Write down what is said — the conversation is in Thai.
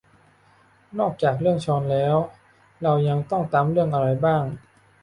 นอกจากเรื่องฌอนแล้วเรายังต้องตามเรื่องอะไรบ้าง